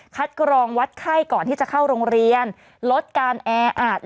กรองวัดไข้ก่อนที่จะเข้าโรงเรียนลดการแออาจ